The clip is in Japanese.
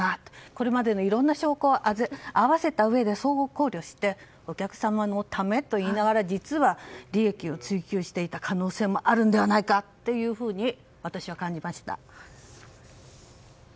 これまでのいろんな証拠を合わせたうえで相互考慮してお客様のためといいながら実は、利益を追求していた可能性もあるのではないかと私は感じました。